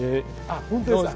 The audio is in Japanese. あっ本当ですか！